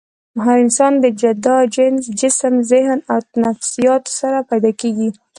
هر انسان د جدا جينز ، جسم ، ذهن او نفسياتو سره پېدا کيږي